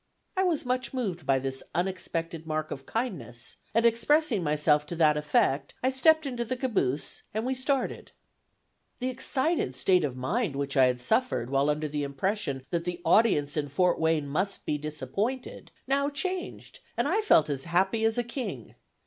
I was much moved by this unexpected mark of kindness, and expressing myself to that effect, I stepped into the caboose, and we started. The excited state of mind which I had suffered while under the impression that the audience in Fort Wayne must be disappointed now changed, and I felt as happy as a king.